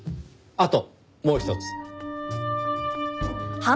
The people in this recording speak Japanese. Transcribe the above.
あともうひとつ。